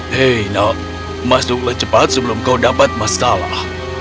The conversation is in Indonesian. hei nao masuklah cepat sebelum kau dapat masalah